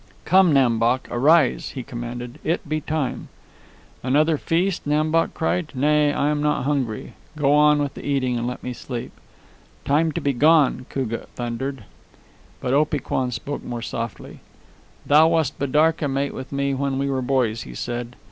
"Come, Nam Bok, arise!" he commanded. "It be time." "Another feast!" Nam Bok cried. "Nay, I am not hungry. Go on with the eating and let me sleep." "Time to be gone!" Koogah thundered. But Opee Kwan spoke more softly. "Thou wast bidarka mate with me when we were boys," he said.